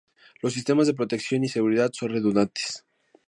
Los sistemas de protección y seguridad son redundantes.